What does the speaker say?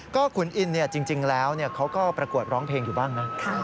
ก็ขุนอินจริงแล้วเขาก็ประกวดร้องเพลงอยู่บ้างนะ